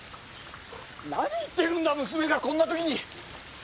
何言ってるんだ娘がこんな時に。